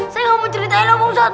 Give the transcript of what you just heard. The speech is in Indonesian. saya gak mau ceritain lah pak ustadz